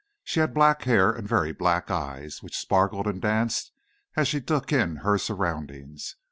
She had black hair and very black eyes, which sparkled and danced as she took in her surroundings.